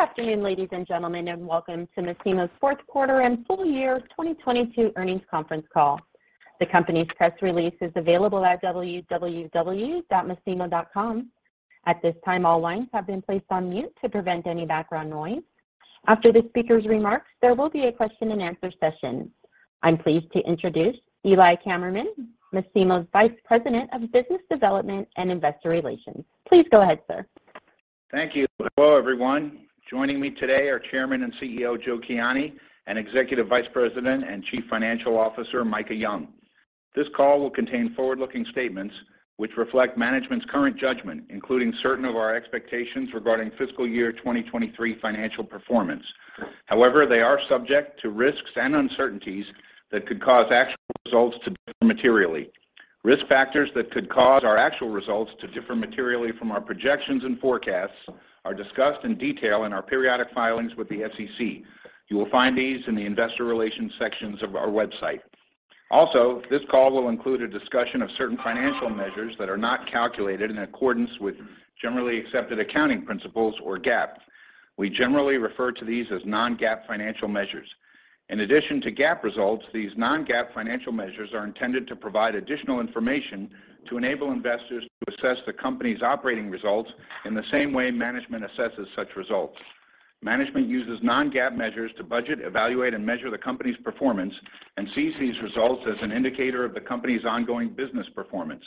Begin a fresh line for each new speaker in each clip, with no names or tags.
Good afternoon, ladies and gentlemen, and welcome to Masimo's Fourth Quarter And Full Year 2022 Earnings Conference Call. The company's press release is available at www.masimo.com. At this time, all lines have been placed on mute to prevent any background noise. After the speaker's remarks, there will be a question-and-answer session. I'm pleased to introduce Eli Kammerman, Masimo's Vice President of Business Development and Investor Relations. Please go ahead, sir.
Thank you. Hello, everyone. Joining me today are Chairman and CEO, Joe Kiani, and Executive Vice President and Chief Financial Officer, Micah Young. This call will contain forward-looking statements which reflect management's current judgment, including certain of our expectations regarding fiscal year 2023 financial performance. They are subject to risks and uncertainties that could cause actual results to differ materially. Risk factors that could cause our actual results to differ materially from our projections and forecasts are discussed in detail in our periodic filings with the SEC. You will find these in the investor relations sections of our website. This call will include a discussion of certain financial measures that are not calculated in accordance with generally accepted accounting principles or GAAP. We generally refer to these as non-GAAP financial measures. In addition to GAAP results, these non-GAAP financial measures are intended to provide additional information to enable investors to assess the company's operating results in the same way management assesses such results. Management uses non-GAAP measures to budget, evaluate, and measure the company's performance and sees these results as an indicator of the company's ongoing business performance.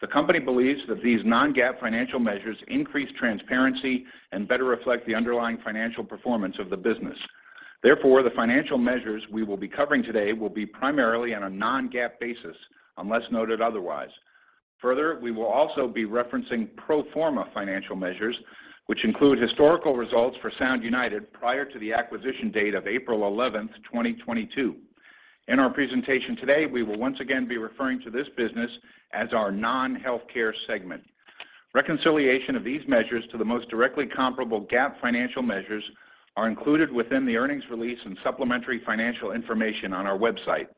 The company believes that these non-GAAP financial measures increase transparency and better reflect the underlying financial performance of the business. The financial measures we will be covering today will be primarily on a non-GAAP basis, unless noted otherwise. We will also be referencing pro forma financial measures, which include historical results for Sound United prior to the acquisition date of April 11, 2022. In our presentation today, we will once again be referring to this business as our non-healthcare segment. Reconciliation of these measures to the most directly comparable GAAP financial measures are included within the earnings release and supplementary financial information on our website.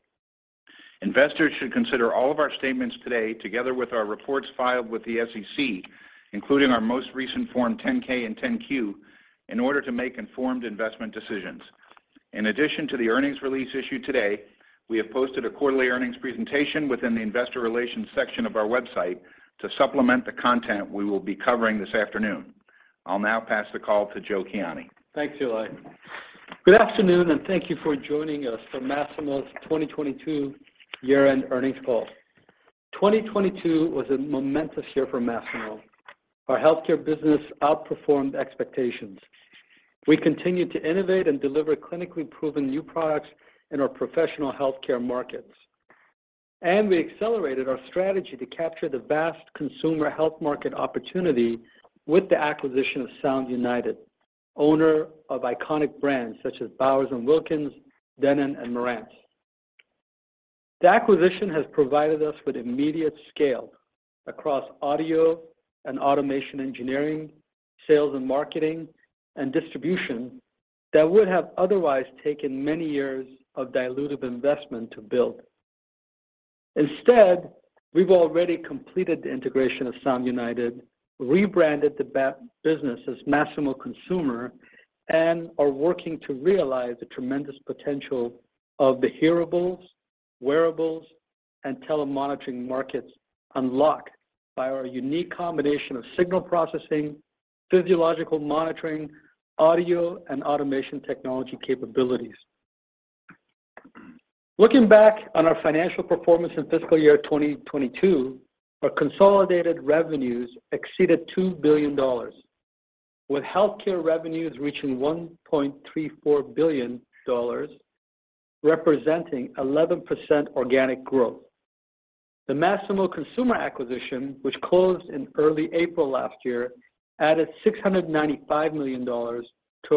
Investors should consider all of our statements today, together with our reports filed with the SEC, including our most recent form 10-K and 10-Q, in order to make informed investment decisions. In addition to the earnings release issued today, we have posted a quarterly earnings presentation within the investor relations section of our website to supplement the content we will be covering this afternoon. I'll now pass the call to Joe Kiani.
Thanks, Eli. Good afternoon, and thank you for joining us for Masimo's 2022 year-end earnings call. 2022 was a momentous year for Masimo. Our healthcare business outperformed expectations. We continued to innovate and deliver clinically proven new products in our professional healthcare markets. We accelerated our strategy to capture the vast consumer health market opportunity with the acquisition of Sound United, owner of iconic brands such as Bowers & Wilkins, Denon, and Marantz. The acquisition has provided us with immediate scale across audio and automation engineering, sales and marketing, and distribution that would have otherwise taken many years of dilutive investment to build. Instead, we've already completed the integration of Sound United, rebranded the business as Masimo Consumer, and are working to realize the tremendous potential of the hearables, wearables, and telemonitoring markets unlocked by our unique combination of signal processing, physiological monitoring, audio, and automation technology capabilities. Looking back on our financial performance in fiscal year 2022, our consolidated revenues exceeded $2 billion, with healthcare revenues reaching $1.34 billion, representing 11% organic growth. The Masimo Consumer acquisition, which closed in early April last year, added $695 million to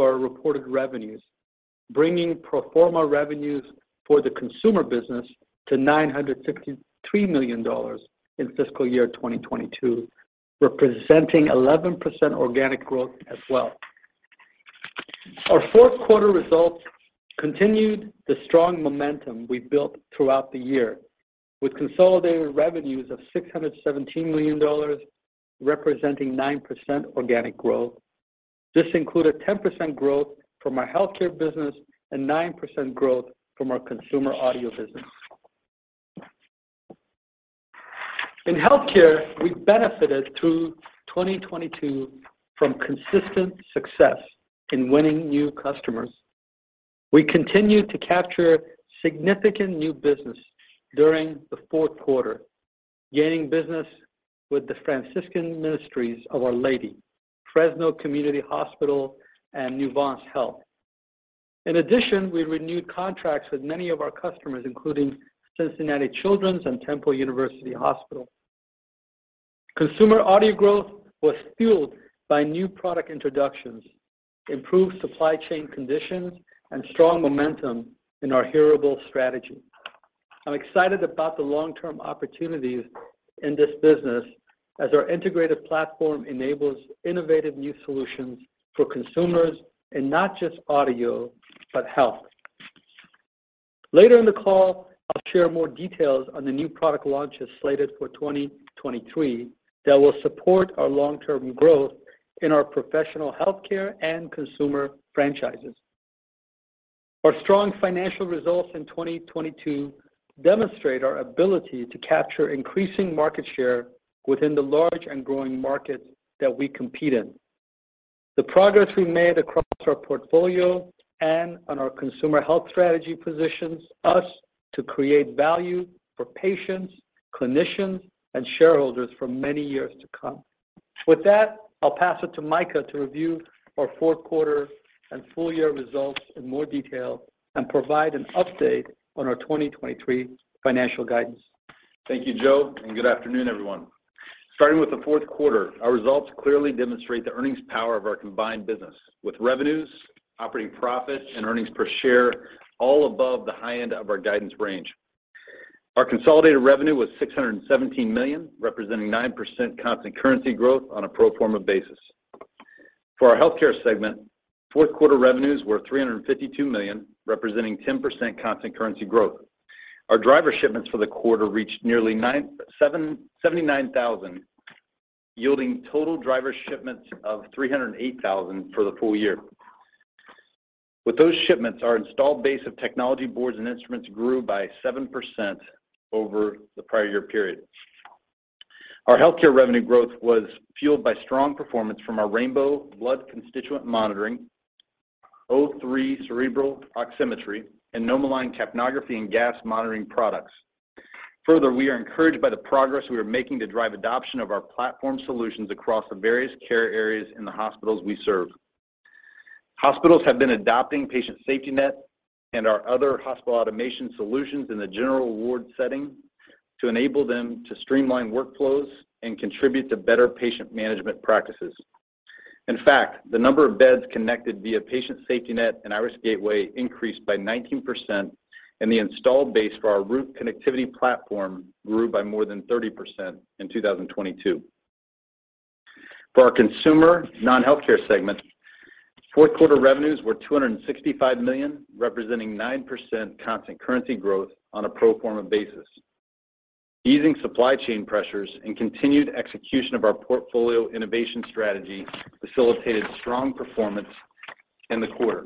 our reported revenues, bringing pro forma revenues for the consumer business to $963 million in fiscal year 2022, representing 11% organic growth as well. Our fourth quarter results continued the strong momentum we built throughout the year. With consolidated revenues of $617 million, representing 9% organic growth. This included 10% growth from our healthcare business and 9% growth from our consumer audio business. In healthcare, we benefited through 2022 from consistent success in winning new customers. We continued to capture significant new business during the fourth quarter, gaining business with the Franciscan Missionaries of Our Lady, Fresno Community Hospital, and Nuvance Health. In addition, we renewed contracts with many of our customers, including Cincinnati Children's and Temple University Hospital. Consumer audio growth was fueled by new product introductions, improved supply chain conditions, and strong momentum in our hearable strategy. I'm excited about the long-term opportunities in this business as our integrated platform enables innovative new solutions for consumers in not just audio, but health. Later in the call, I'll share more details on the new product launches slated for 2023 that will support our long-term growth in our professional healthcare and consumer franchises. Our strong financial results in 2022 demonstrate our ability to capture increasing market share within the large and growing markets that we compete in. The progress we made across our portfolio and on our consumer health strategy positions us to create value for patients, clinicians, and shareholders for many years to come. With that, I'll pass it to Micah to review our fourth quarter and full year results in more detail and provide an update on our 2023 financial guidance.
Thank you, Joe. Good afternoon, everyone. Starting with the fourth quarter, our results clearly demonstrate the earnings power of our combined business with revenues, operating profit, and earnings per share all above the high end of our guidance range. Our consolidated revenue was $617 million, representing 9% constant currency growth on a pro forma basis. For our healthcare segment, fourth quarter revenues were $352 million, representing 10% constant currency growth. Our driver shipments for the quarter reached nearly 79,000, yielding total driver shipments of 308,000 for the full year. With those shipments, our installed base of technology boards and instruments grew by 7% over the prior year period. Our healthcare revenue growth was fueled by strong performance from the Rainbow blood constituent monitoring, O3 cerebral oximetry, and NomoLine capnography and gas monitoring products. Further, we are encouraged by the progress we are making to drive adoption of our platform solutions across the various care areas in the hospitals we serve. Hospitals have been adopting Patient SafetyNet and our other hospital automation solutions in the general ward setting to enable them to streamline workflows and contribute to better patient management practices. In fact, the number of beds connected via Patient SafetyNet and Iris Gateway increased by 19%, and the installed base for our route connectivity platform grew by more than 30% in 2022. For our consumer non-healthcare segment, fourth quarter revenues were $265 million, representing 9% constant currency growth on a pro forma basis. Easing supply chain pressures and continued execution of our portfolio innovation strategy facilitated strong performance in the quarter.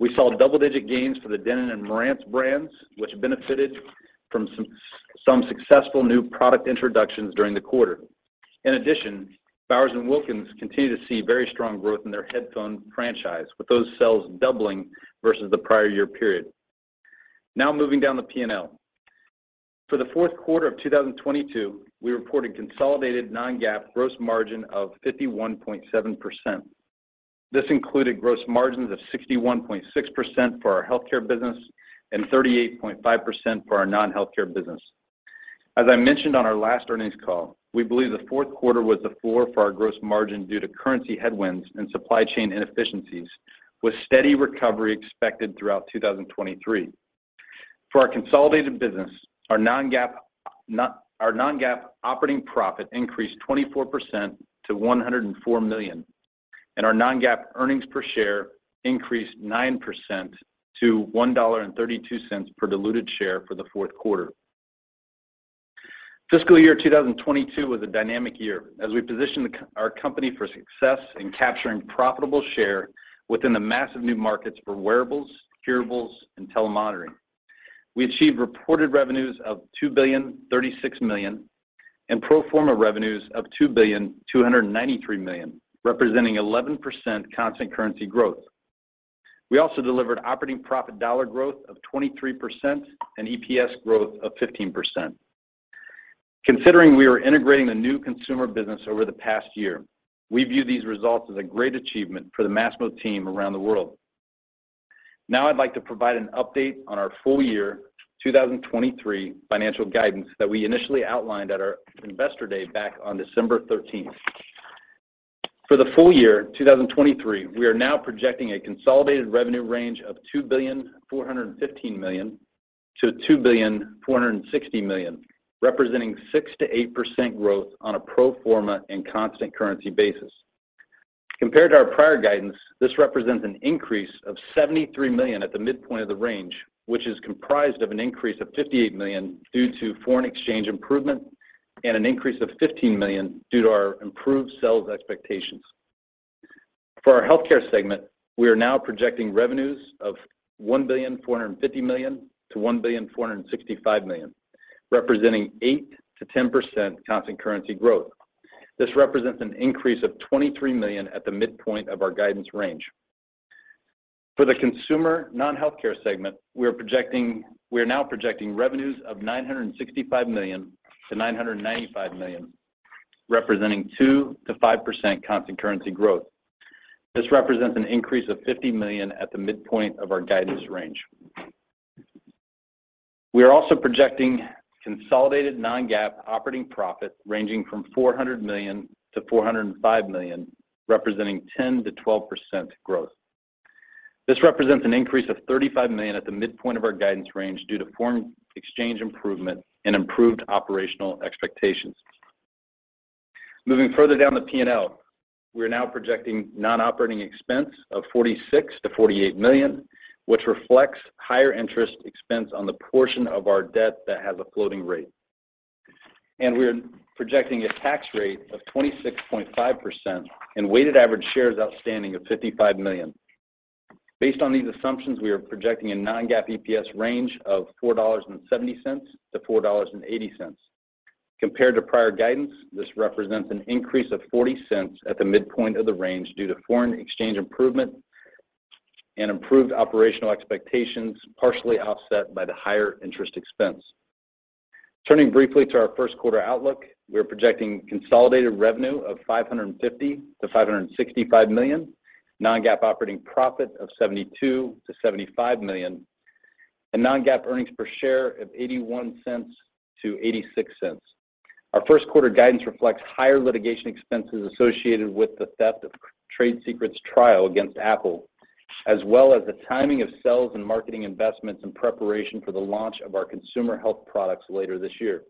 We saw double-digit gains for the Denon and Marantz brands, which benefited from some successful new product introductions during the quarter. Bowers & Wilkins continue to see very strong growth in their headphone franchise, with those sales doubling versus the prior year period. Moving down the P&L. For the fourth quarter of 2022, we reported consolidated non-GAAP gross margin of 51.7%. This included gross margins of 61.6% for our healthcare business and 38.5% for our non-healthcare business. As I mentioned on our last earnings call, we believe the fourth quarter was the floor for our gross margin due to currency headwinds and supply chain inefficiencies, with steady recovery expected throughout 2023. For our consolidated business, our non-GAAP non-GAAP operating profit increased 24% to $104 million, and our non-GAAP EPS increased 9% to $1.32 per diluted share for the fourth quarter. Fiscal year 2022 was a dynamic year as we positioned our company for success in capturing profitable share within the massive new markets for wearables, curables, and telemonitoring. We achieved reported revenues of $2,036 million and pro forma revenues of $2,293 million, representing 11% constant currency growth. We also delivered operating profit dollar growth of 23% and EPS growth of 15%. Considering we are integrating the new consumer business over the past year, we view these results as a great achievement for the Masimo team around the world. Now I'd like to provide an update on our full year 2023 financial guidance that we initially outlined at our investor day back on December 13th. For the full year 2023, we are now projecting a consolidated revenue range of $2.415 billion-$2.460 billion, representing 6%-8% growth on a pro forma and constant currency basis. Compared to our prior guidance, this represents an increase of $73 million at the midpoint of the range, which is comprised of an increase of $58 million due to foreign exchange improvement and an increase of $15 million due to our improved sales expectations. For our healthcare segment, we are now projecting revenues of $1.450 billion-$1.465 billion, representing 8%-10% constant currency growth. This represents an increase of $23 million at the midpoint of our guidance range. For the consumer non-healthcare segment, we are now projecting revenues of $965 million to $995 million, representing 2%-5% constant currency growth. This represents an increase of $50 million at the midpoint of our guidance range. We are also projecting consolidated non-GAAP operating profit ranging from $400 million to $405 million, representing 10%-12% growth. This represents an increase of $35 million at the midpoint of our guidance range due to foreign exchange improvement and improved operational expectations. Further down the P&L, we are now projecting non-operating expense of $46 million-$48 million, which reflects higher interest expense on the portion of our debt that has a floating rate. We're projecting a tax rate of 26.5% and weighted average shares outstanding of 55 million. Based on these assumptions, we are projecting a non-GAAP EPS range of $4.70-$4.80. Compared to prior guidance, this represents an increase of $0.40 at the midpoint of the range due to foreign exchange improvement and improved operational expectations, partially offset by the higher interest expense. Turning briefly to our first quarter outlook, we are projecting consolidated revenue of $550 million-$565 million, non-GAAP operating profit of $72 million-$75 million, and non-GAAP earnings per share of $0.81-$0.86. Our first quarter guidance reflects higher litigation expenses associated with the theft of trade secrets trial against Apple, as well as the timing of sales and marketing investments in preparation for the launch of our consumer health products later this year.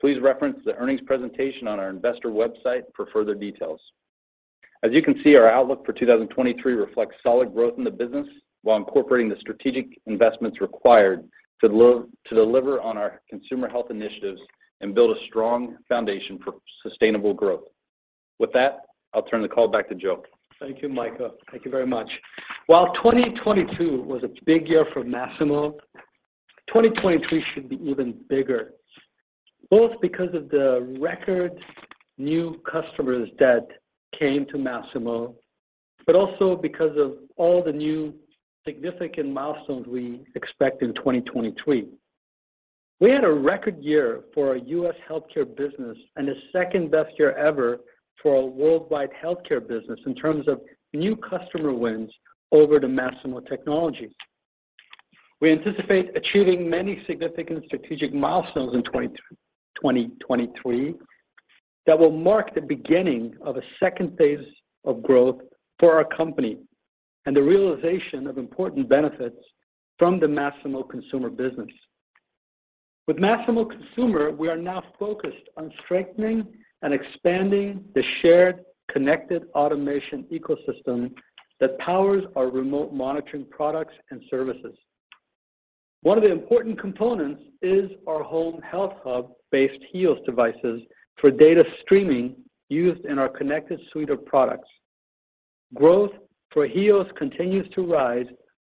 Please reference the earnings presentation on our investor website for further details. As you can see, our outlook for 2023 reflects solid growth in the business while incorporating the strategic investments required to deliver on our consumer health initiatives and build a strong foundation for sustainable growth. With that, I'll turn the call back to Joe.
Thank you, Micah. Thank you very much. 2022 was a big year for Masimo, 2023 should be even bigger, both because of the record new customers that came to Masimo, but also because of all the new significant milestones we expect in 2023. We had a record year for our U.S. healthcare business and the second-best year ever for our worldwide healthcare business in terms of new customer wins over to Masimo technologies. We anticipate achieving many significant strategic milestones in 2023 that will mark the beginning of a second phase of growth for our company and the realization of important benefits from the Masimo Consumer business. With Masimo Consumer, we are now focused on strengthening and expanding the shared connected automation ecosystem that powers our remote monitoring products and services. One of the important components is our home health hub-based HEOS devices for data streaming used in our connected suite of products. Growth for HEOS continues to rise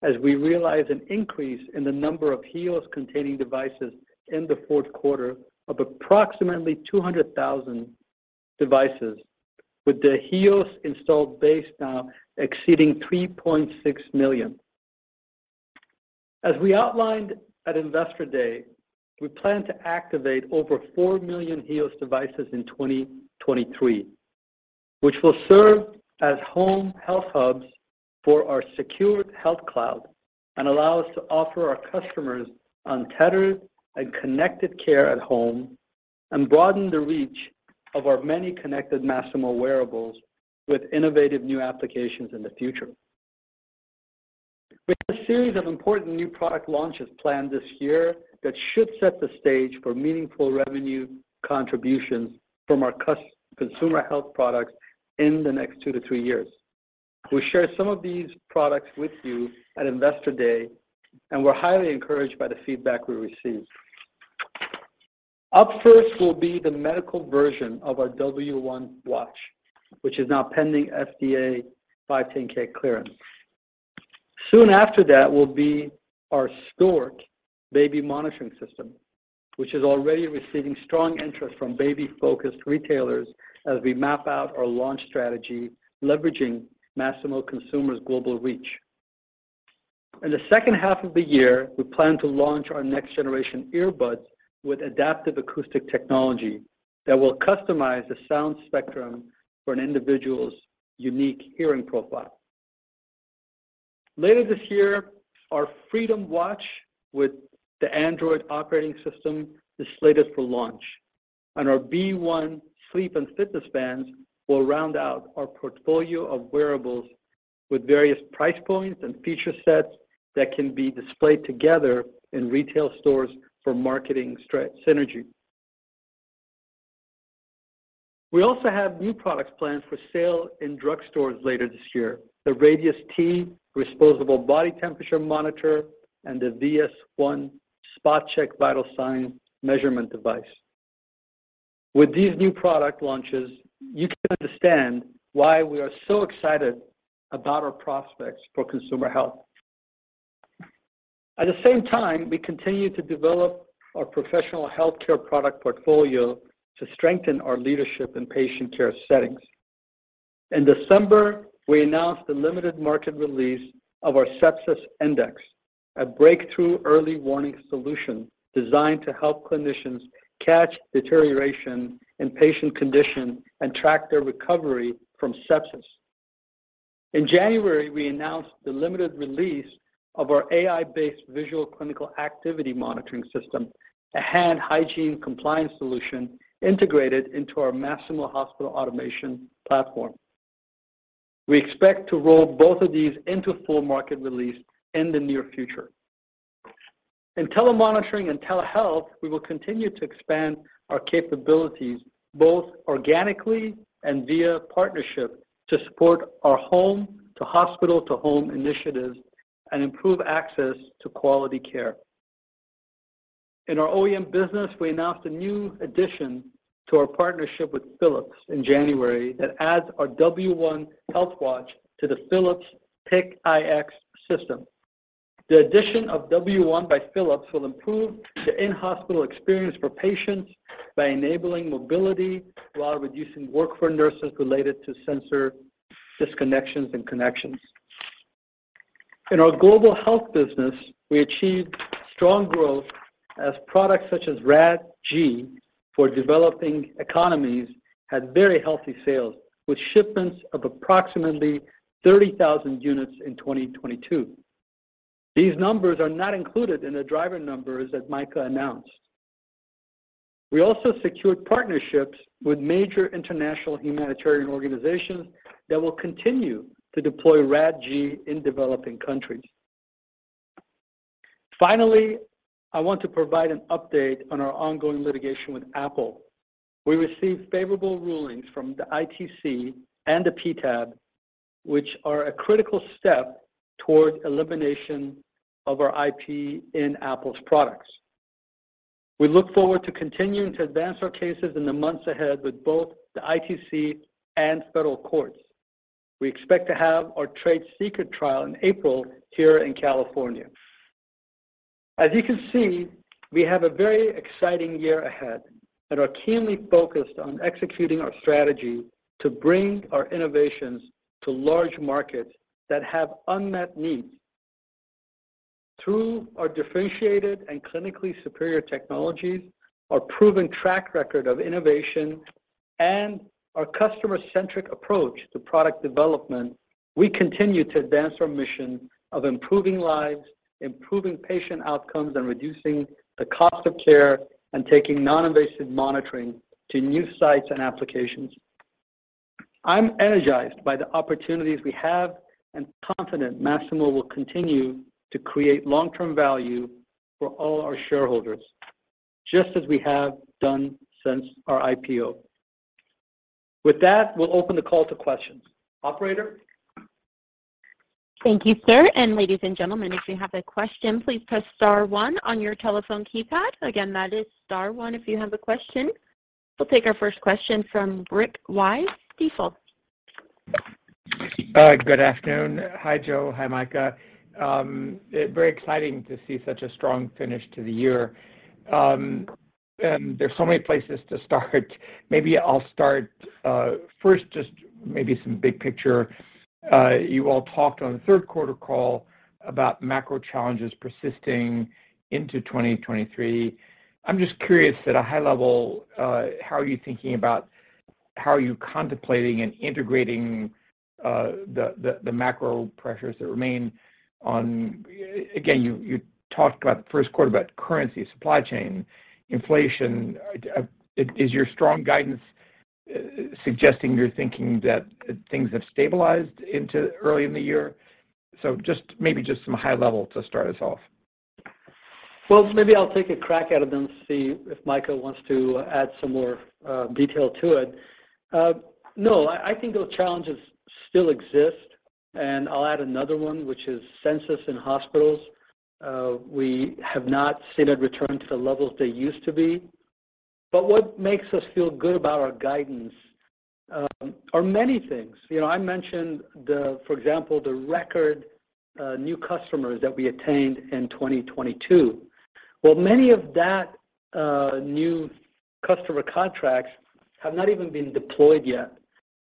as we realize an increase in the number of HEOS-containing devices in the fourth quarter of approximately 200,000 devices, with the HEOS installed base now exceeding 3.6 million. As we outlined at Investor Day, we plan to activate over 4 million HEOS devices in 2023, which will serve as home health hubs for our secured health cloud and allow us to offer our customers untethered and connected care at home and broaden the reach of our many connected Masimo wearables with innovative new applications in the future. We have a series of important new product launches planned this year that should set the stage for meaningful revenue contributions from our consumer health products in the next 2 to 3 years. We shared some of these products with you at Investor Day, and we're highly encouraged by the feedback we received. Up first will be the medical version of our W1 watch, which is now pending FDA 510(K) clearance. Soon after that will be our Stork baby monitoring system, which is already receiving strong interest from baby-focused retailers as we map out our launch strategy, leveraging Masimo Consumer's global reach. In the second half of the year, we plan to launch our next-generation earbuds with Adaptive Acoustic Technology that will customize the sound spectrum for an individual's unique hearing profile. Later this year, our Freedom watch with the Android operating system is slated for launch. Our B-One sleep and fitness bands will round out our portfolio of wearables with various price points and feature sets that can be displayed together in retail stores for marketing synergy. We also have new products planned for sale in drugstores later this year. The Radius-T disposable body temperature monitor and the VS-One Spot Check vital signs measurement device. With these new product launches, you can understand why we are so excited about our prospects for consumer health. At the same time, we continue to develop our professional healthcare product portfolio to strengthen our leadership in patient care settings. In December, we announced the limited market release of our Sepsis Index, a breakthrough early warning solution designed to help clinicians catch deterioration in patient condition and track their recovery from sepsis. In January, we announced the limited release of our AI-based visual clinical activity monitoring system, a hand hygiene compliance solution integrated into our Masimo Hospital Automation platform. We expect to roll both of these into full market release in the near future. In telemonitoring and telehealth, we will continue to expand our capabilities both organically and via partnership to support our home to hospital to home initiatives and improve access to quality care. In our OEM business, we announced a new addition to our partnership with Philips in January that adds our W1 Health Watch to the Philips PIC iX system. The addition of W1 by Philips will improve the in-hospital experience for patients by enabling mobility while reducing work for nurses related to sensor disconnections and connections. In our global health business, we achieved strong growth as products such as Rad-G for developing economies had very healthy sales, with shipments of approximately 30,000 units in 2022. These numbers are not included in the driver numbers that Micah announced. We also secured partnerships with major international humanitarian organizations that will continue to deploy Rad-G in developing countries. Finally, I want to provide an update on our ongoing litigation with Apple. We received favorable rulings from the ITC and the PTAB, which are a critical step towards elimination of our IP in Apple's products. We look forward to continuing to advance our cases in the months ahead with both the ITC and federal courts. We expect to have our trade secret trial in April here in California. As you can see, we have a very exciting year ahead and are keenly focused on executing our strategy to bring our innovations to large markets that have unmet needs. Through our differentiated and clinically superior technologies, our proven track record of innovation and our customer-centric approach to product development, we continue to advance our mission of improving lives, improving patient outcomes, and reducing the cost of care and taking non-invasive monitoring to new sites and applications. I'm energized by the opportunities we have and confident Masimo will continue to create long-term value for all our shareholders, just as we have done since our IPO. With that, we'll open the call to questions. Operator?
Thank you, sir. Ladies and gentlemen, if you have a question, please press star one on your telephone keypad. Again, that is star one if you have a question. We'll take our first question from Rick Wise, Stifel.
Good afternoon. Hi, Joe. Hi, Micah. Very exciting to see such a strong finish to the year. There's so many places to start. Maybe I'll start first just maybe some big picture. You all talked on the third quarter call about macro challenges persisting into 2023. I'm just curious at a high level, how are you thinking about how are you contemplating and integrating the macro pressures that remain on... Again, you talked about the first quarter about currency, supply chain, inflation. Is your strong guidance suggesting you're thinking that things have stabilized into early in the year? Just maybe just some high level to start us off.
Well, maybe I'll take a crack at it, then see if Micah wants to add some more detail to it. No, I think those challenges still exist, and I'll add another one, which is census in hospitals. We have not seen a return to the levels they used to be. What makes us feel good about our guidance are many things. You know, I mentioned the, for example, the record new customers that we attained in 2022. Well, many of that new customer contracts have not even been deployed yet.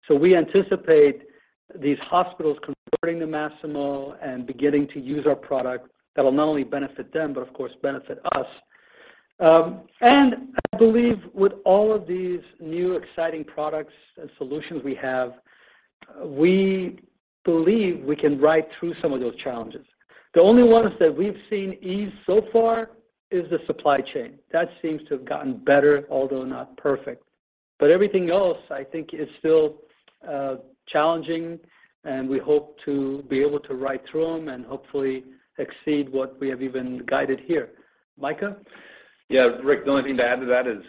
We anticipate these hospitals converting to Masimo and beginning to use our product that will not only benefit them, but of course benefit us. I believe with all of these new exciting products and solutions we have, we believe we can ride through some of those challenges. The only ones that we've seen ease so far is the supply chain. That seems to have gotten better, although not perfect. Everything else I think is still challenging, and we hope to be able to ride through them and hopefully exceed what we have even guided here. Micah?
Yeah, Rick, the only thing to add to that is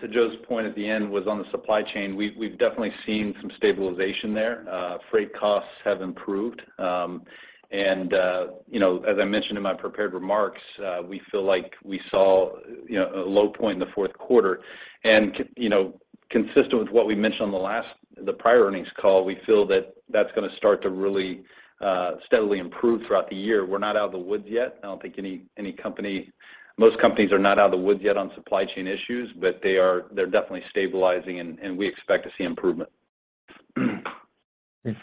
to Joe's point at the end, was on the supply chain. We've definitely seen some stabilization there. Freight costs have improved. You know, as I mentioned in my prepared remarks, we feel like we saw, you know, a low point in the fourth quarter. You know, consistent with what we mentioned on the prior earnings call, we feel that that's gonna start to really steadily improve throughout the year. We're not out of the woods yet. Most companies are not out of the woods yet on supply chain issues, but they're definitely stabilizing, and we expect to see improvement.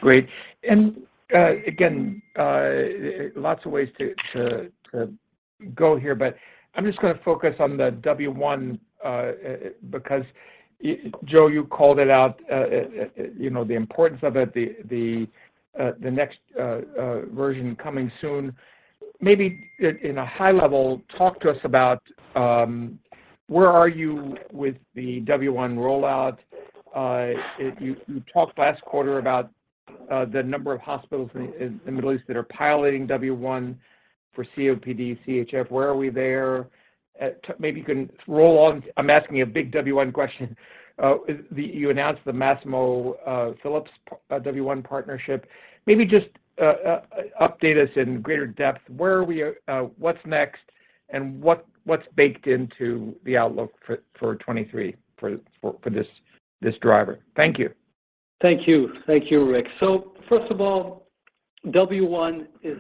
Great. Again, lots of ways to go here, but I'm just gonna focus on the W1, because Joe, you called it out, you know, the importance of it, the next version coming soon. Maybe in a high level, talk to us about where are you with the W1 rollout? You talked last quarter about the number of hospitals in the Middle East that are piloting W1 for COPD, CHF, where are we there? Maybe you can roll on... I'm asking a big W1 question. You announced the Masimo, Philips, W1 partnership. Maybe just update us in greater depth, where are we at, what's next, and what's baked into the outlook for 2023 for this driver? Thank you.
Thank you. Thank you, Rick. First of all, W1 is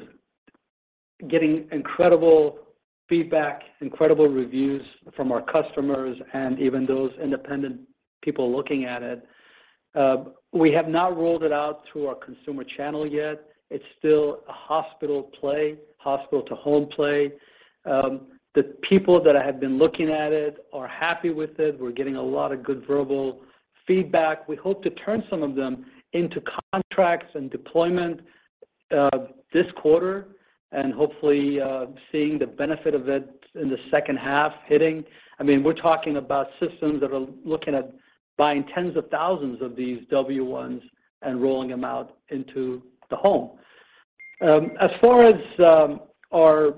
getting incredible feedback, incredible reviews from our customers and even those independent people looking at it. We have not rolled it out through our consumer channel yet. It's still a hospital play, hospital-to-home play. The people that have been looking at it are happy with it. We're getting a lot of good verbal feedback. We hope to turn some of them into contracts and deployment this quarter, and hopefully, seeing the benefit of it in the second half hitting. I mean, we're talking about systems that are looking at buying tens of thousands of these W1s and rolling them out into the home. As far as our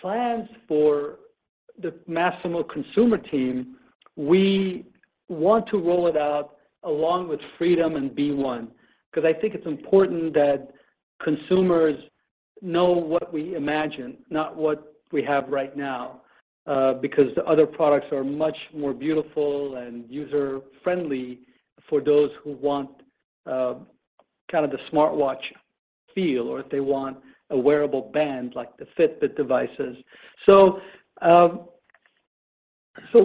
plans for the Masimo Consumer team, we want to roll it out along with Freedom and W1, because I think it's important that consumers know what we imagine, not what we have right now, because the other products are much more beautiful and user-friendly for those who want kind of the smartwatch feel, or if they want a wearable band like the Fitbit devices.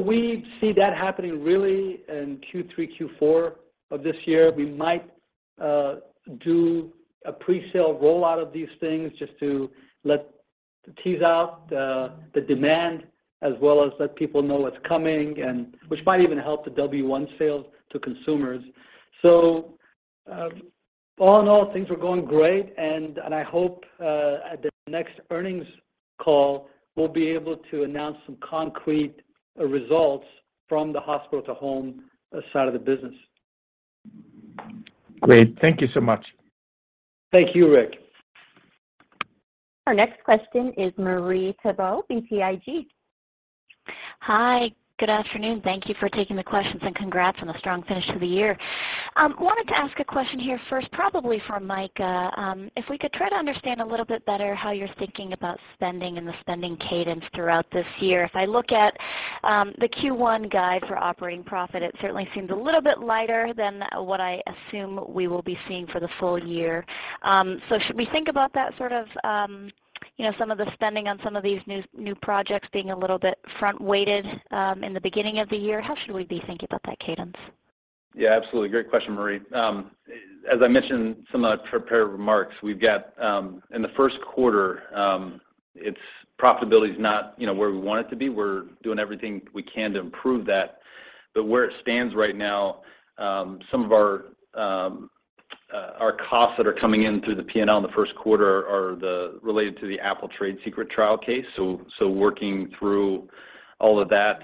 We see that happening really in Q3, Q4 of this year. We might do a presale rollout of these things just to tease out the demand as well as let people know what's coming and which might even help the W1 sales to consumers. All in all, things are going great, and I hope at the next earnings call, we'll be able to announce some concrete results from the hospital-to-home side of the business.
Great. Thank you so much.
Thank you, Rick.
Our next question is Marie Thibault, BTIG.
Hi, good afternoon. Thank you for taking the questions, and congrats on the strong finish to the year. Wanted to ask a question here first probably for Mike. If we could try to understand a little bit better how you're thinking about spending and the spending cadence throughout this year. If I look at the Q1 guide for operating profit, it certainly seems a little bit lighter than what I assume we will be seeing for the full year. Should we think about that sort of, you know, some of the spending on some of these new projects being a little bit front-weighted in the beginning of the year? How should we be thinking about that cadence?
Yeah, absolutely. Great question, Marie. As I mentioned some in my prepared remarks, we've got in the first quarter, it's profitability is not, you know, where we want it to be. We're doing everything we can to improve that. Where it stands right now, some of our our costs that are coming in through the P&L in the first quarter are the related to the Apple trade secret trial case. Working through all of that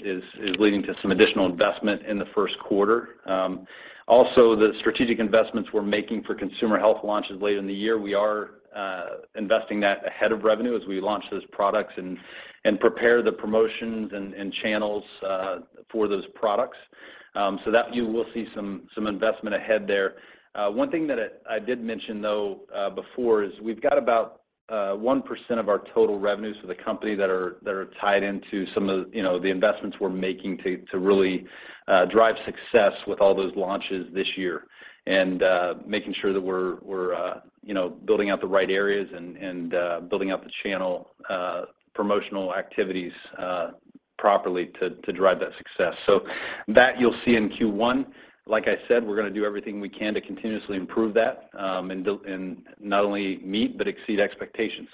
is leading to some additional investment in the first quarter. Also the strategic investments we're making for consumer health launches later in the year, we are investing that ahead of revenue as we launch those products and prepare the promotions and channels for those products. That you will see some investment ahead there. One thing that I did mention though, before is we've got about 1% of our total revenues for the company that are tied into some of the, you know, the investments we're making to really drive success with all those launches this year. Making sure that we're, you know, building out the right areas and, building out the channel, promotional activities, properly to drive that success. That you'll see in Q1. Like I said, we're gonna do everything we can to continuously improve that, and not only meet but exceed expectations.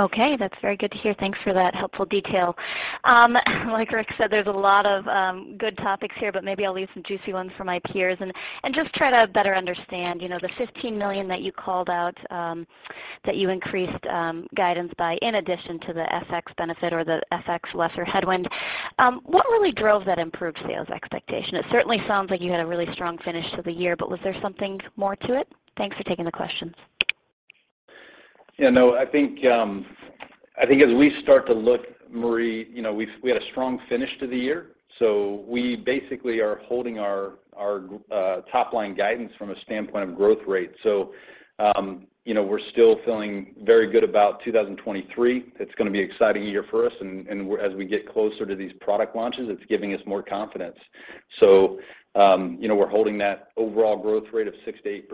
Okay, that's very good to hear. Thanks for that helpful detail. Like Rick said, there's a lot of good topics here, but maybe I'll leave some juicy ones for my peers and just try to better understand, you know, the $15 million that you called out, that you increased guidance by in addition to the FX benefit or the FX lesser headwind. What really drove that improved sales expectation? It certainly sounds like you had a really strong finish to the year, but was there something more to it? Thanks for taking the questions.
I think as we start to look, Marie, you know, we had a strong finish to the year. We basically are holding our, top-line guidance from a standpoint of growth rate. You know, we're still feeling very good about 2023. It's gonna be an exciting year for us, and, as we get closer to these product launches, it's giving us more confidence. You know, we're holding that overall growth rate of 6%-8%,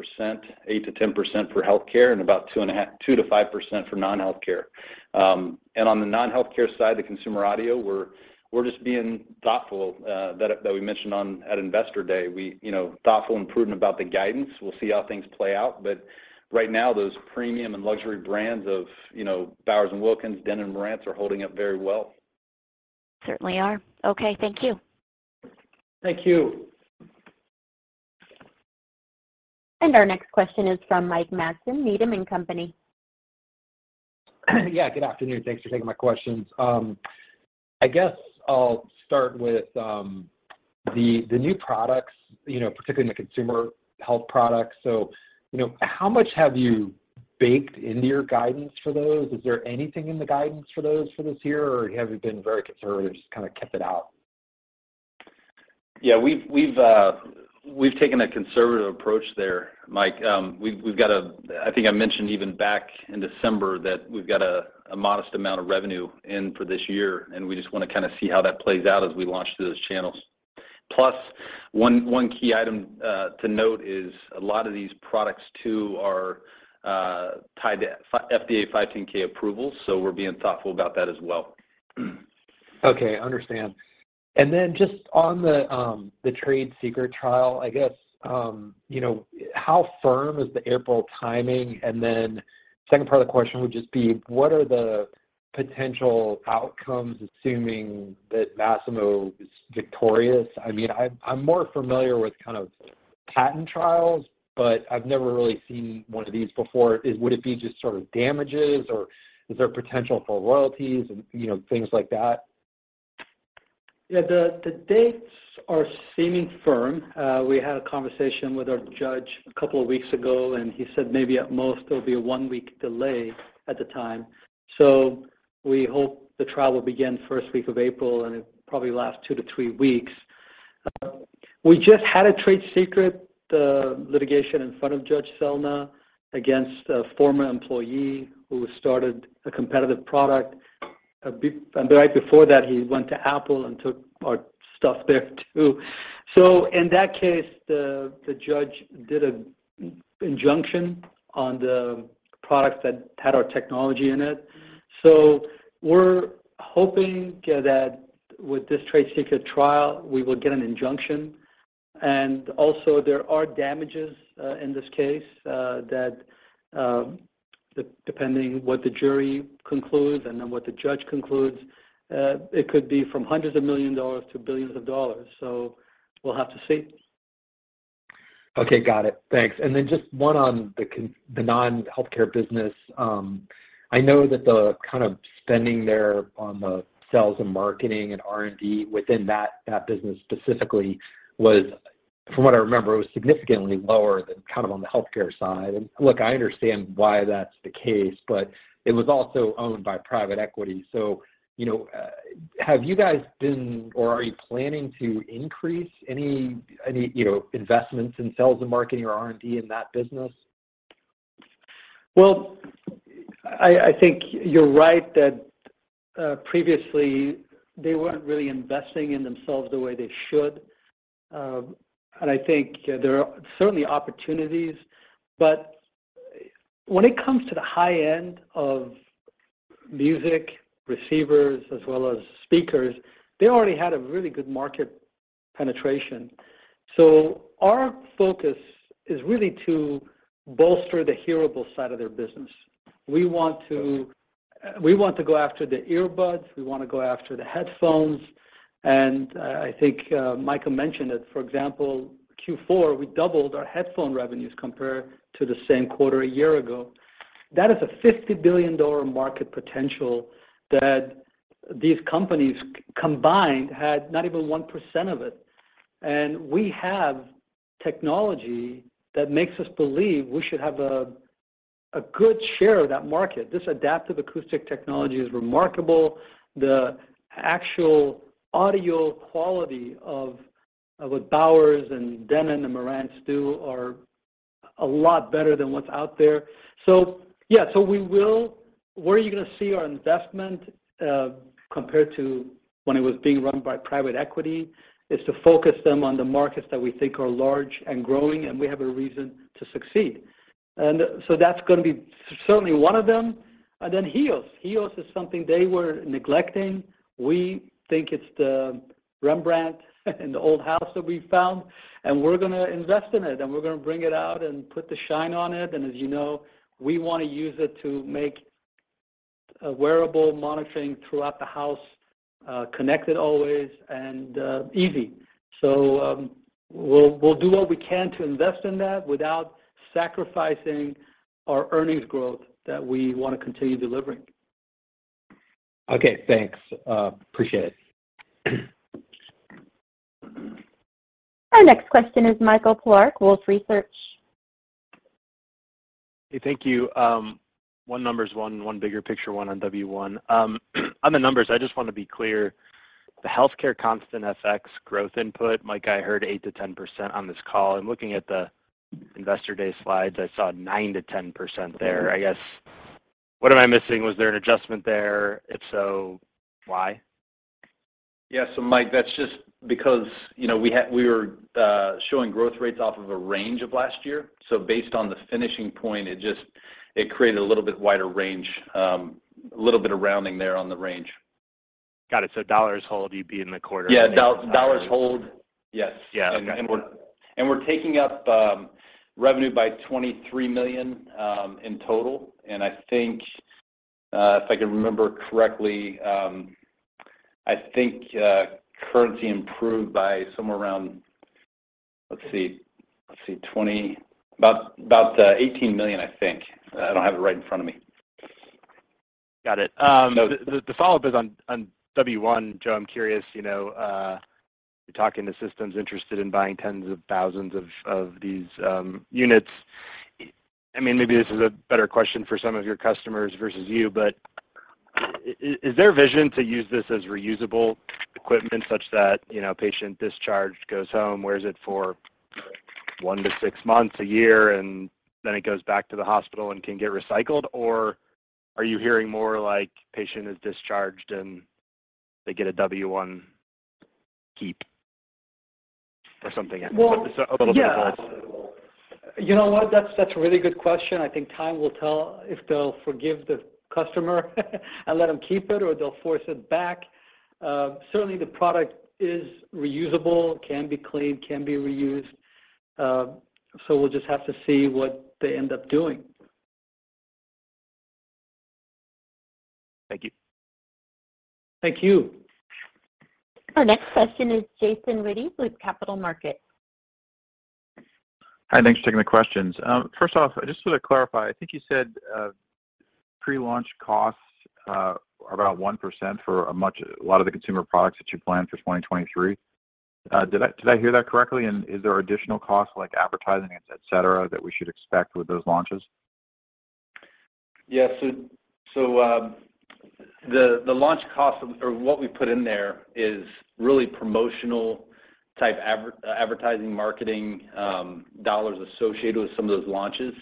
8%-10% for healthcare and about 2.5%, 2%-5% for non-healthcare. On the non-healthcare side, the consumer audio, we're just being thoughtful, that we mentioned on at Investor Day. We, you know, thoughtful and prudent about the guidance. We'll see how things play out. Right now those premium and luxury brands of, you know, Bowers & Wilkins, Denon & Marantz are holding up very well.
Certainly are. Okay, thank you.
Thank you.
Our next question is from Mike Matson, Needham & Company.
Good afternoon. Thanks for taking my questions. I guess I'll start with the new products, you know, particularly in the consumer health products. You know, how much have you baked into your guidance for those? Is there anything in the guidance for those for this year, or have you been very conservative, just kind of kept it out?
Yeah. We've taken a conservative approach there, Mike. We've got a... I think I mentioned even back in December that we've got a modest amount of revenue in for this year, and we just wanna kind of see how that plays out as we launch through those channels. Plus, one key item to note is a lot of these products too are tied to FDA 510 approvals, so we're being thoughtful about that as well.
Okay. I understand. Just on the trade secret trial, I guess, you know, how firm is the April timing? Second part of the question would just be, what are the potential outcomes assuming that Masimo is victorious? I mean, I'm more familiar with kind of patent trials, but I've never really seen one of these before. Would it be just sort of damages or is there potential for royalties and, you know, things like that?
Yeah. The dates are seeming firm. We had a conversation with our Judge a couple of weeks ago, and he said maybe at most there'll be a 1-week delay at the time. We hope the trial will begin first week of April, and it probably lasts two-three weeks. We just had a trade secret litigation in front of Judge Selna against a former employee who started a competitive product. Right before that, he went to Apple and took our stuff there too. In that case, the Judge did a injunction on the products that had our technology in it. We're hoping that with this trade secret trial we will get an injunction. Also there are damages, in this case, that, depending what the jury concludes and then what the judge concludes, it could be from hundreds of million dollars to billions of dollars. We'll have to see.
Okay. Got it. Thanks. Just one on the non-healthcare business. I know that the kind of spending there on the sales and marketing and R&D within that business specifically was, from what I remember, was significantly lower than kind of on the healthcare side. Look, I understand why that's the case, but it was also owned by private equity. You know, have you guys been or are you planning to increase any, you know, investments in sales and marketing or R&D in that business?
I think you're right that previously they weren't really investing in themselves the way they should. I think there are certainly opportunities, but when it comes to the high-end of music receivers as well as speakers, they already had a really good market penetration. Our focus is really to bolster the hearable side of their business.
Okay...
we want to go after the earbuds, we wanna go after the headphones, I think Mike mentioned it, for example, Q4, we doubled our headphone revenues compared to the same quarter a year ago. That is a $50 billion market potential that these companies combined had not even 1% of it. We have technology that makes us believe we should have a good share of that market. This Adaptive Acoustic Technology is remarkable. The actual audio quality of what Bowers and Denon and Marantz do are a lot better than what's out there. Yeah. We will. Where are you gonna see our investment compared to when it was being run by private equity, is to focus them on the markets that we think are large and growing, and we have a reason to succeed. That's gonna be certainly one of them. HEOS. HEOS is something they were neglecting. We think it's the Rembrandt in the old house that we found, and we're gonna invest in it, and we're gonna bring it out and put the shine on it. As you know, we wanna use it to make, wearable monitoring throughout the house, connected always and, easy. We'll do what we can to invest in that without sacrificing our earnings growth that we wanna continue delivering.
Okay. Thanks. Appreciate it.
Our next question is Mike Polark, Wolfe Research.
Hey, thank you. one number's one bigger picture, one on W1. on the numbers, I just wanna be clear. The healthcare constant FX growth input, Mike, I heard 8%-10% on this call. I'm looking at the investor day slides. I saw 9%-10% there. I guess, what am I missing? Was there an adjustment there? If so, why?
Yeah. Mike, that's just because, you know, we were showing growth rates off of a range of last year. Based on the finishing point, it just created a little bit wider range, a little bit of rounding there on the range.
Got it. dollars hold, you'd be in the.
Yeah. dollars hold. Yes.
Yeah. Okay.
We're taking up revenue by $23 million in total. I think, if I can remember correctly, I think currency improved by somewhere around. Let's see. About $18 million, I think. I don't have it right in front of me.
Got it.
So-
The follow-up is on W1, Joe, I'm curious, you know, you're talking to systems interested in buying tens of thousands of these units. I mean, maybe this is a better question for some of your customers versus you, but is their vision to use this as reusable equipment such that, you know, patient discharged, goes home, wears it for one-six months, a year, and then it goes back to the hospital and can get recycled? Or are you hearing more like patient is discharged and they get a W1 keep or something?
Well-
A little bit of both.
Yeah. You know what, that's a really good question. I think time will tell if they'll forgive the customer and let them keep it or they'll force it back. Certainly the product is reusable, can be cleaned, can be reused. We'll just have to see what they end up doing.
Thank you.
Thank you.
Our next question is Jason Wittes with Capital Markets.
Hi, thanks for taking the questions. First off, just to clarify, I think you said pre-launch costs are about 1% for a lot of the consumer products that you plan for 2023. Did I hear that correctly? Is there additional costs like advertising, et cetera, that we should expect with those launches?
Yeah. The launch costs or what we put in there is really promotional type advertising, marketing, dollars associated with some of those launches.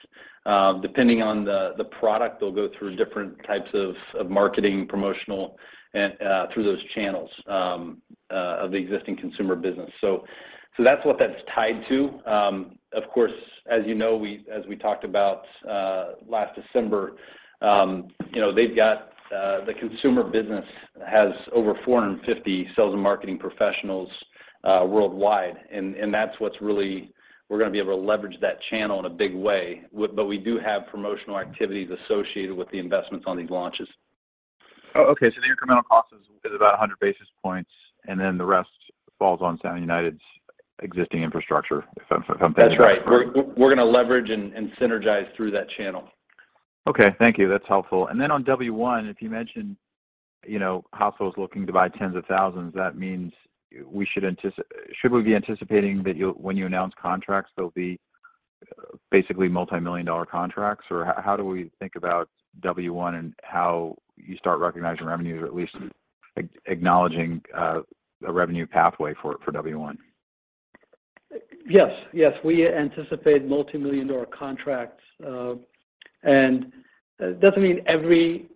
Depending on the product, they'll go through different types of marketing, promotional and through those channels of the existing consumer business. That's what that's tied to. Of course, as you know, as we talked about last December, you know, they've got the consumer business has over 450 sales and marketing professionals worldwide. That's what's really, we're gonna be able to leverage that channel in a big way. We do have promotional activities associated with the investments on these launches.
Okay. The incremental cost is about 100 basis points, and then the rest falls on Sound United's existing infrastructure if I'm paying...
That's right. We're gonna leverage and synergize through that channel.
Okay. Thank you. That's helpful. On W1, if you mentioned, you know, households looking to buy tens of thousands, that means we should Should we be anticipating that when you announce contracts, there'll be basically multi-million dollar contracts? Or how do we think about W1 and how you start recognizing revenue, or at least acknowledging a revenue pathway for W1?
Yes. Yes. We anticipate multi-million dollar contracts. It doesn't mean every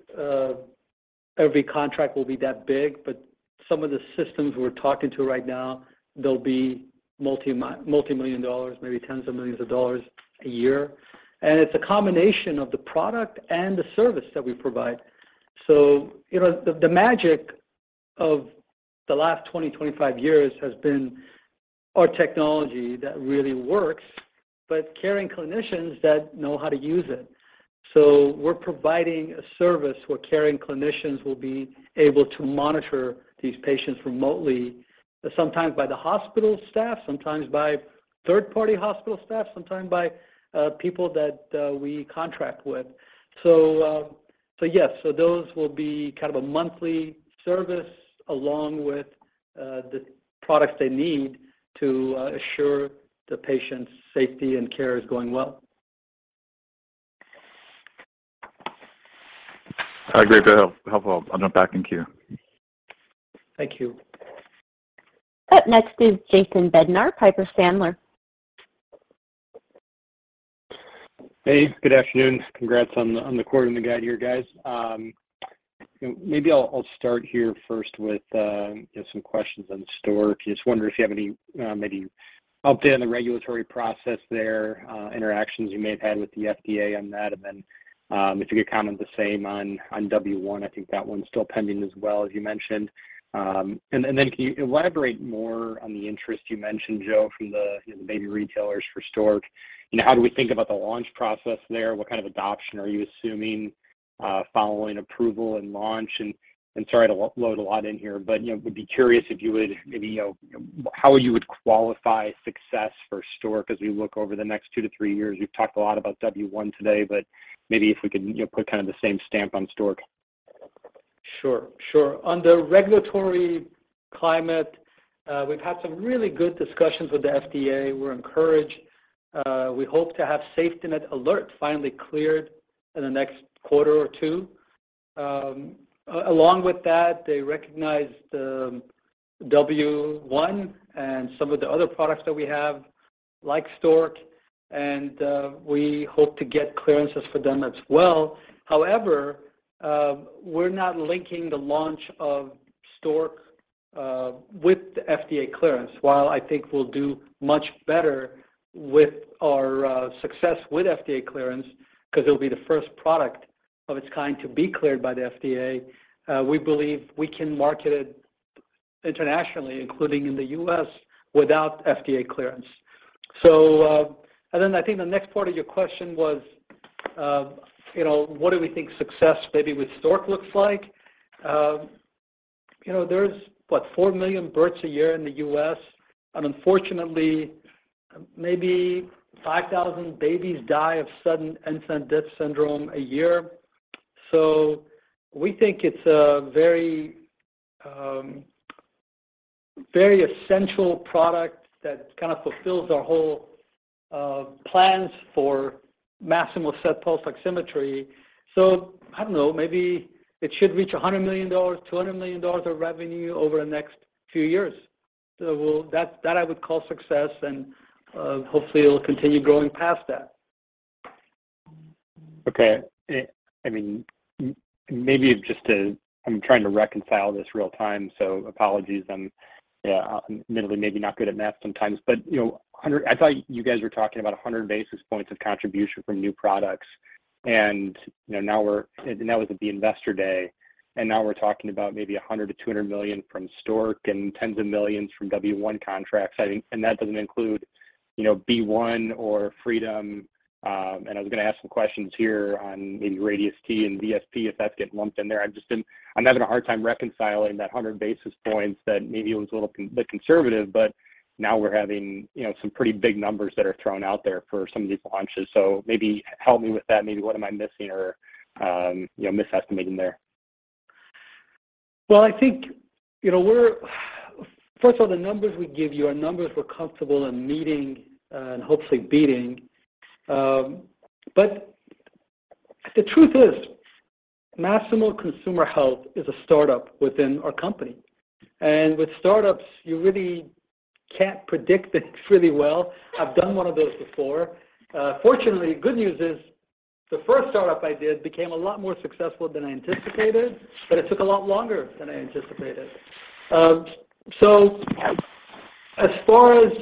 contract will be that big, but some of the systems we're talking to right now, they'll be multi-million dollars, maybe tens of millions of dollars a year. It's a combination of the product and the service that we provide. You know, the magic of the last 20-25 years has been our technology that really works, but caring clinicians that know how to use it. We're providing a service where caring clinicians will be able to monitor these patients remotely, sometimes by the hospital staff, sometimes by third-party hospital staff, sometimes by people that we contract with. Yes. Those will be kind of a monthly service along with the products they need to assure the patient's safety and care is going well.
Great. That helped. Helped a lot. I'll jump back in queue.
Thank you.
Up next is Jason Bednar, Piper Sandler.
Hey, good afternoon. Congrats on the quarter and the guide here, guys. Maybe I'll start here first with, you know, some questions on the Stork. Just wondering if you have any maybe update on the regulatory process there, interactions you may have had with the FDA on that. Then, if you could comment the same on W1. I think that one's still pending as well, as you mentioned. Then can you elaborate more on the interest you mentioned, Joe, from the maybe retailers for Stork? You know, how do we think about the launch process there? What kind of adoption are you assuming following approval and launch? Sorry to load a lot in here, but, you know, would be curious if you would maybe, you know, how you would qualify success for Stork as we look over the next two to three years. You've talked a lot about W1 today, but maybe if we could, you know, put kind of the same stamp on Stork.
Sure. Sure. On the regulatory climate, we've had some really good discussions with the FDA. We're encouraged. We hope to have Masimo SafetyNet Alert finally cleared in the next quarter or two. Along with that, they recognized Masimo W1 and some of the other products that we have, like Masimo Stork, and we hope to get clearances for them as well. We're not linking the launch of Masimo Stork with the FDA clearance. While I think we'll do much better with our success with FDA clearance, 'cause it'll be the first product of its kind to be cleared by the FDA, we believe we can market it internationally, including in the U.S., without FDA clearance. I think the next part of your question was, you know, what do we think success maybe with Masimo Stork looks like? You know, there's, what? 4 million births a year in the U.S., unfortunately, maybe 5,000 babies die of sudden infant death syndrome a year. We think it's a very essential product that kind of fulfills our whole plans for Masimo SET pulse oximetry. I don't know, maybe it should reach $100 million-$200 million of revenue over the next few years. That I would call success, and hopefully it'll continue growing past that.
Okay. I mean, maybe just to... I'm trying to reconcile this real time, so apologies. I'm, yeah, admittedly maybe not good at math sometimes but, you know, 100... I thought you guys were talking about 100 basis points of contribution from new products and, you know, that was at the investor day, and now we're talking about maybe $100 million-$200 million from Masimo Stork and tens of millions from W1 contracts. That doesn't include, you know, B One or Masimo Freedom. I was gonna ask some questions here on maybe Radius-T and VSP if that's getting lumped in there. I'm having a hard time reconciling that 100 basis points that maybe it was a little conservative, but now we're having, you know, some pretty big numbers that are thrown out there for some of these launches. Maybe help me with that. Maybe what am I missing or, you know, misestimating there?
Well, I think, you know, First of all, the numbers we give you are numbers we're comfortable in meeting, and hopefully beating. The truth is, Masimo Consumer Health is a startup within our company. With startups, you really can't predict it really well. I've done one of those before. Fortunately, good news is, the first startup I did became a lot more successful than I anticipated, but it took a lot longer than I anticipated. As far as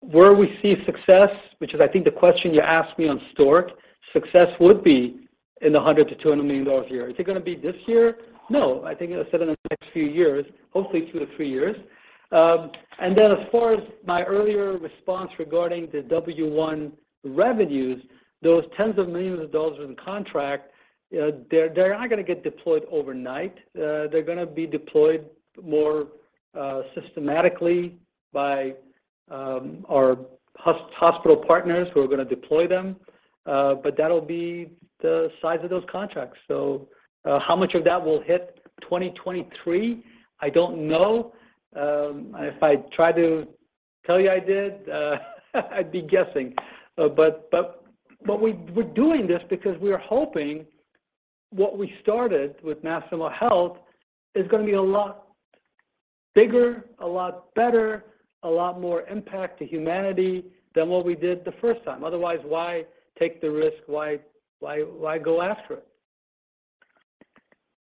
where we see success, which is I think the question you asked me on Stork, success would be in the $100 million-$200 million a year. Is it gonna be this year? No. I think I said in the next few years, hopefully two-three years. As far as my earlier response regarding the W One revenues, those tens of millions of dollars in contract, they're not gonna get deployed overnight. They're gonna be deployed more systematically by our hospital partners who are gonna deploy them. That'll be the size of those contracts. How much of that will hit 2023? I don't know. If I try to tell you I did, I'd be guessing. We're doing this because we are hoping what we started with Masimo Health is gonna be a lot bigger, a lot better, a lot more impact to humanity than what we did the first time. Otherwise, why take the risk? Why go after it?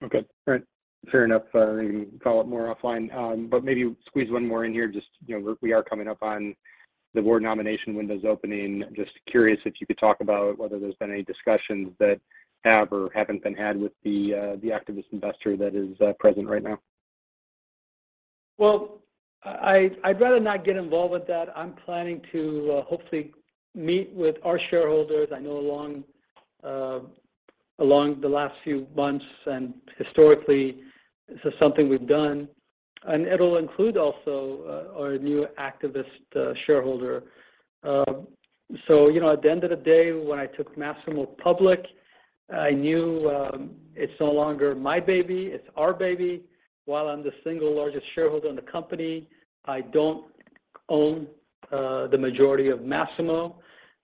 Okay. All right. Fair enough. I can follow up more offline. Maybe squeeze one more in here. Just, you know, we are coming up on the board nomination windows opening. Just curious if you could talk about whether there's been any discussions that have or haven't been had with the activist investor that is present right now.
Well, I'd rather not get involved with that. I'm planning to hopefully meet with our shareholders. I know along the last few months and historically, this is something we've done, and it'll include also our new activist shareholder. You know, at the end of the day, when I took Masimo public, I knew it's no longer my baby, it's our baby. While I'm the single largest shareholder in the company, I don't own the majority of Masimo,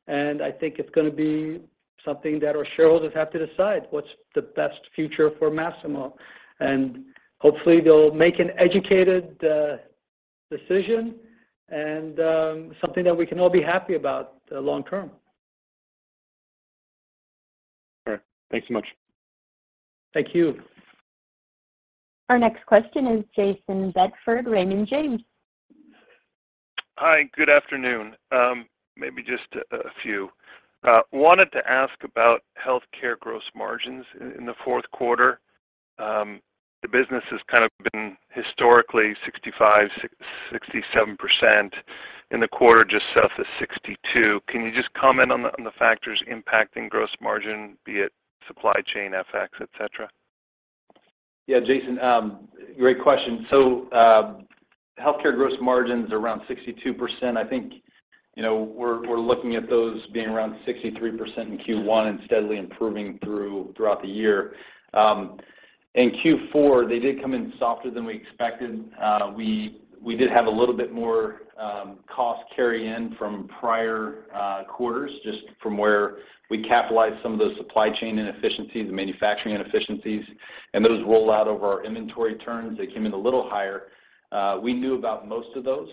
and I think it's gonna be something that our shareholders have to decide, what's the best future for Masimo. Hopefully, they'll make an educated decision and something that we can all be happy about long term.
All right. Thanks so much.
Thank you.
Our next question is Jayson Bedford, Raymond James.
Hi, good afternoon. Maybe just a few, wanted to ask about healthcare gross margins in the fourth quarter. The business has kind of been historically 65%, 67%. In the quarter, just south of 62%. Can you just comment on the factors impacting gross margin, be it supply chain, FX, et cetera?
Yeah, Jason, great question. Healthcare gross margin's around 62%. I think, you know, we're looking at those being around 63% in Q1 and steadily improving throughout the year. In Q4, they did come in softer than we expected. We did have a little bit more cost carry in from prior quarters, just from where we capitalized some of those supply chain inefficiencies and manufacturing inefficiencies, and those roll out over our inventory turns. They came in a little higher. We knew about most of those,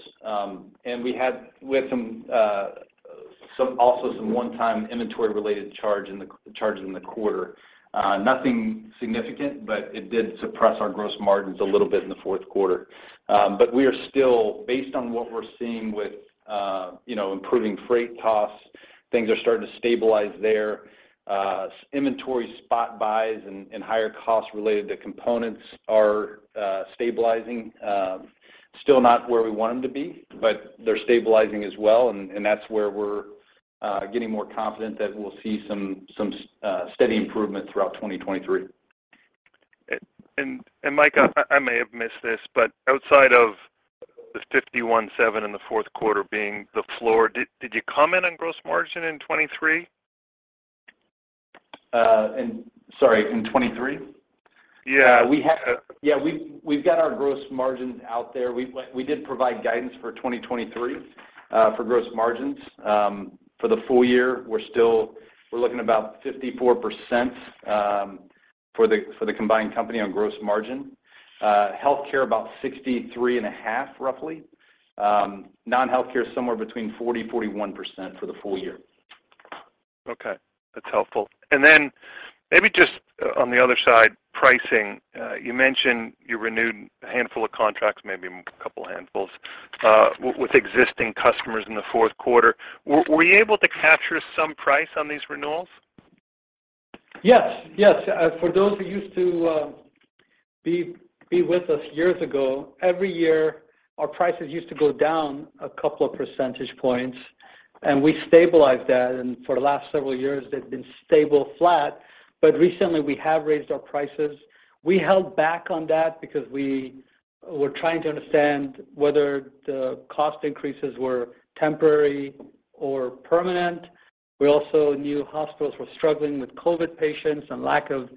we had some also some one-time inventory-related charge in the quarter. Nothing significant, it did suppress our gross margins a little bit in the fourth quarter. We are still, based on what we're seeing with, you know, improving freight costs, things are starting to stabilize there. Inventory spot buys and higher costs related to components are stabilizing. Still not where we want them to be, but they're stabilizing as well and that's where we're getting more confident that we'll see some steady improvement throughout 2023.
Mike, I may have missed this, outside of the 51.7% in the fourth quarter being the floor, did you comment on gross margin in 2023?
Sorry, in 23?
Yeah.
Yeah. We've got our gross margins out there. We did provide guidance for 2023 for gross margins. For the full year, we're looking about 54% for the combined company on gross margin. Healthcare about 63.5% roughly. Non-healthcare somewhere between 40%-41% for the full year.
Okay. That's helpful. Maybe just on the other side, pricing. You mentioned you renewed a handful of contracts, maybe a couple handfuls, with existing customers in the fourth quarter. Were you able to capture some price on these renewals?
Yes, yes. For those who used to be with us years ago, every year our prices used to go down a couple of percentage points, and we stabilized that. For the last several years they've been stable flat. Recently we have raised our prices. We held back on that because we were trying to understand whether the cost increases were temporary or permanent. We also knew hospitals were struggling with COVID patients and lack of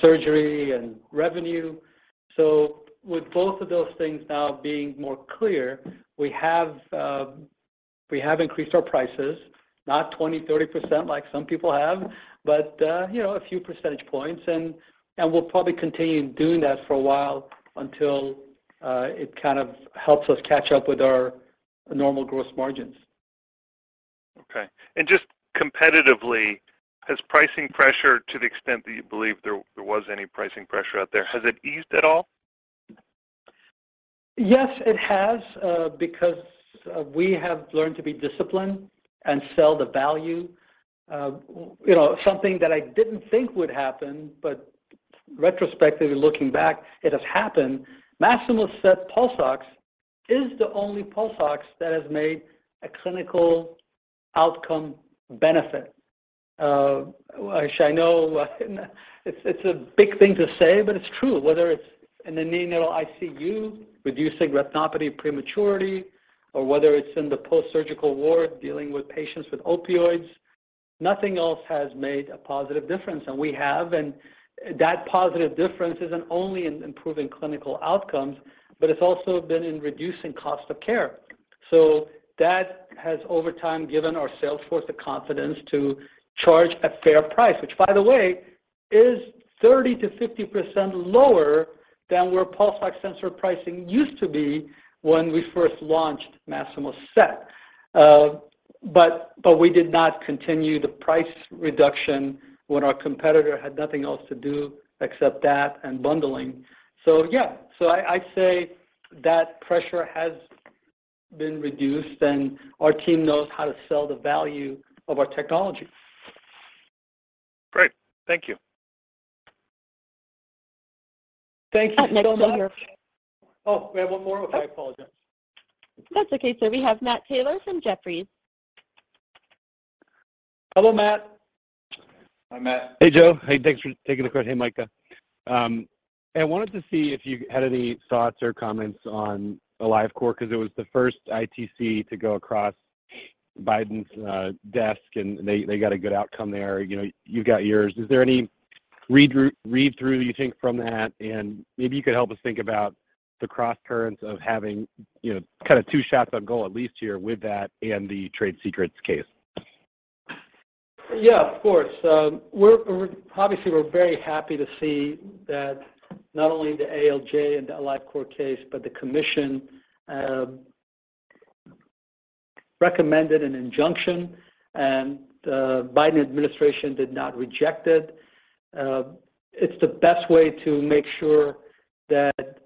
surgery and revenue. With both of those things now being more clear, we have increased our prices, not 20%, 30% like some people have, but, you know, a few percentage points and we'll probably continue doing that for a while until it kind of helps us catch up with our normal gross margins.
Okay. Just competitively, has pricing pressure to the extent that you believe there was any pricing pressure out there, has it eased at all?
Yes, it has, because we have learned to be disciplined and sell the value. You know, something that I didn't think would happen, but retrospectively looking back, it has happened. Masimo SET pulse ox is the only pulse ox that has made a clinical outcome benefit. Which I know it's a big thing to say, but it's true. Whether it's in the neonatal ICU, reducing retinopathy of prematurity, or whether it's in the post-surgical ward dealing with patients with opioids, nothing else has made a positive difference. We have, and that positive difference isn't only in improving clinical outcomes, but it's also been in reducing cost of care. That has over time given our sales force the confidence to charge a fair price, which by the way is 30%-50% lower than where pulse ox sensor pricing used to be when we first launched Masimo SET. We did not continue the price reduction when our competitor had nothing else to do except that and bundling. Yeah. I say that pressure has been reduced, and our team knows how to sell the value of our technology.
Great. Thank you.
Thank you so much.
Up next, Joe.
Oh, we have one more?
Okay.
I apologize.
That's okay, sir. We have Matthew Taylor from Jefferies.
Hello, Matt.
Hi, Matt.
Hey, Joe. Hey, thanks for taking the call. Hey, Micah. I wanted to see if you had any thoughts or comments on AliveCor, because it was the first ITC to go across Biden's desk, and they got a good outcome there. You know, you've got yours. Is there any readthrough you think from that? Maybe you could help us think about the crosscurrents of having, you know, kind of two shots on goal at least here with that and the trade secrets case.
Yeah, of course. Obviously, we're very happy to see that not only the ALJ and the AliveCor case, but the commission recommended an injunction, and the Biden administration did not reject it. It's the best way to make sure that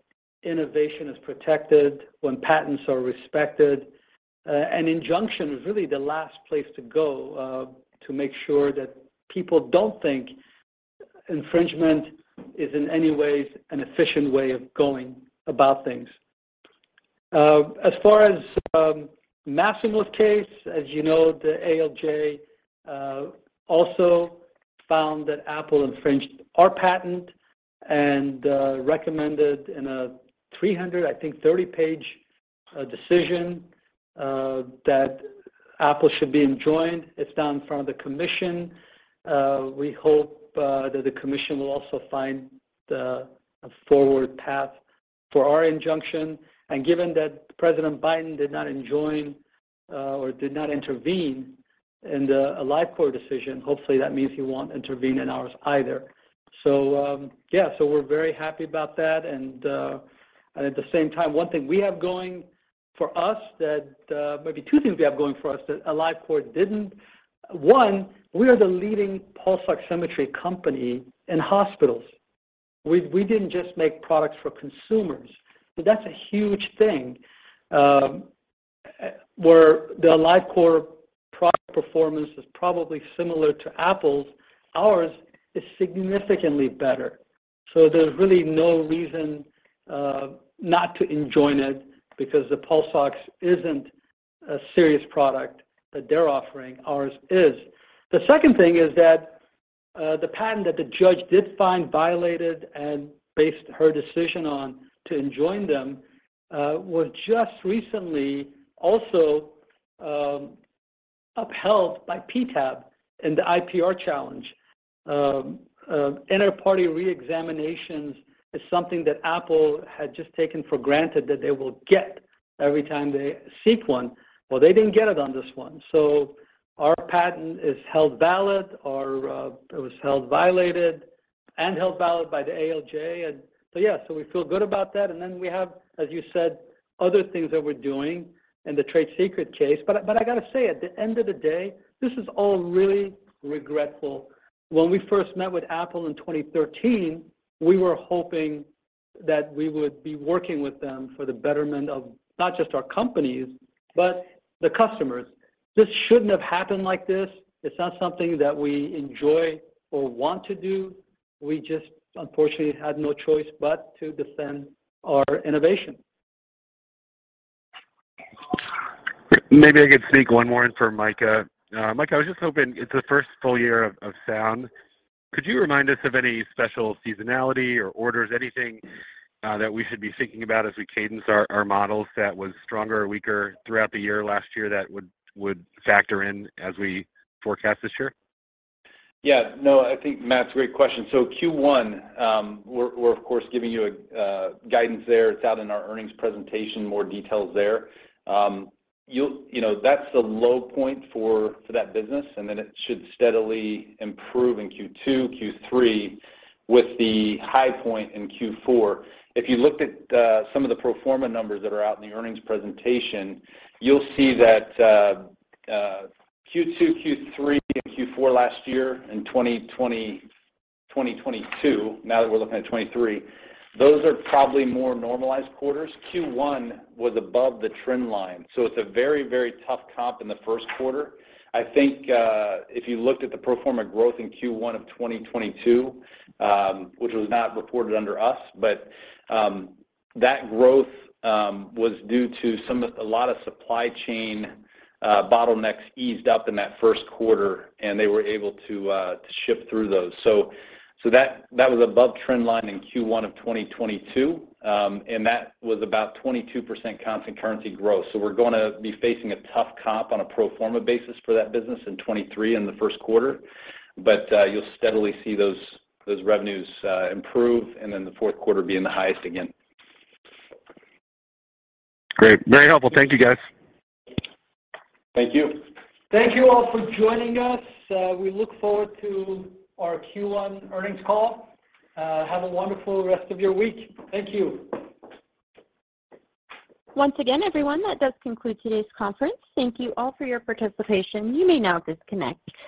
innovation is protected when patents are respected. An injunction is really the last place to go to make sure that people don't think infringement is in any way an efficient way of going about things. As far as Masimo's case, as you know, the ALJ also found that Apple infringed our patent and recommended in a 330-page decision that Apple should be enjoined. It's now in front of the commission. We hope that the commission will also find a forward path for our injunction. Given that President Biden did not enjoin, or did not intervene in the AliveCor decision, hopefully that means he won't intervene in ours either. Yeah, we're very happy about that. At the same time, one thing we have going for us. Maybe two things we have going for us that AliveCor didn't. One, we are the leading pulse oximetry company in hospitals. We didn't just make products for consumers. That's a huge thing. Where the AliveCor product performance is probably similar to Apple's, ours is significantly better. There's really no reason not to enjoin it because the Pulse Ox isn't a serious product that they're offering, ours is. The second thing is that, the patent that the judge did find violated and based her decision on to enjoin them, was just recently also, upheld by PTAB in the IPR challenge. Interparty reexaminations is something that Apple had just taken for granted that they will get every time they seek one. They didn't get it on this one. Our patent is held valid or it was held violated and held valid by the ALJ. Yeah, we feel good about that. Then we have, as you said, other things that we're doing in the trade secret case. I gotta say, at the end of the day, this is all really regretful. When we first met with Apple in 2013, we were hoping that we would be working with them for the betterment of not just our companies, but the customers. This shouldn't have happened like this. It's not something that we enjoy or want to do. We just unfortunately had no choice but to defend our innovation.
Maybe I could sneak one more in for Micah. Micah, I was just hoping, it's the first full year of Sound. Could you remind us of any special seasonality or orders, anything, that we should be thinking about as we cadence our models that was stronger or weaker throughout the year, last year that would factor in as we forecast this year?
Yeah. No, I think, Matt, it's a great question. Q1, we're of course giving you a guidance there. It's out in our earnings presentation, more details there. You know, that's the low point for that business, and then it should steadily improve in Q2, Q3 with the high point in Q4. If you looked at some of the pro forma numbers that are out in the earnings presentation, you'll see that Q2, Q3, and Q4 last year in 2020, 2022, now that we're looking at 2023, those are probably more normalized quarters. Q1 was above the trend line, so it's a very tough comp in the first quarter. I think, if you looked at the pro forma growth in Q1 of 2022, which was not reported under us, but that growth was due to a lot of supply chain bottlenecks eased up in that first quarter, and they were able to ship through those. That was above trend line in Q1 of 2022. That was about 22% constant currency growth. We're gonna be facing a tough comp on a pro forma basis for that business in 2023 in the first quarter. You'll steadily see those revenues improve, and then the fourth quarter being the highest again.
Great. Very helpful. Thank you, guys.
Thank you.
Thank you all for joining us. We look forward to our Q1 earnings call. Have a wonderful rest of your week. Thank you.
Once again, everyone, that does conclude today's conference. Thank you all for your participation. You may now disconnect.